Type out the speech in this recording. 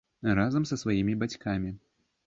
Разам са сваімі бацькамі.